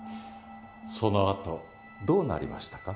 そのあとどうなりましたか？